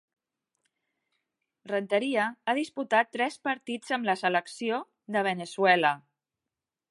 Rentería ha disputat tres partits amb la selecció de Veneçuela.